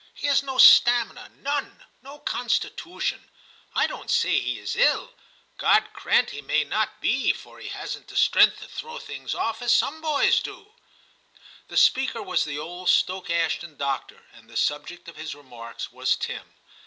He has no stamina, none; no constitution. I don't say he is ill. God grant he may not be, for he hasn't the strength to throw things off as some boys do.' The speaker was the old Stoke Ashton doctor, and the subject of his remarks was Tim.